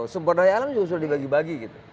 sumber daya alam juga sudah dibagi bagi gitu